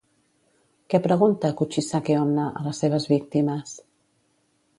Què pregunta Kuchisake-onna a les seves víctimes?